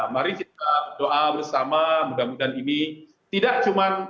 mari kita doa bersama mudah mudahan ini tidak cuma